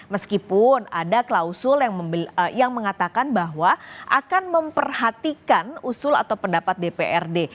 meskipun ada klausul yang mengatakan bahwa akan memperhatikan usul atau pendapat dprd